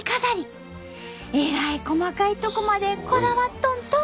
えらい細かいとこまでこだわっとんと！